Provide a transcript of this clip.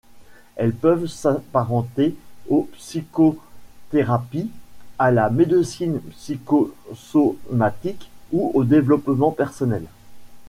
Elles peuvent s'apparenter aux psychothérapies, à la médecine psychosomatique ou au développement personnel.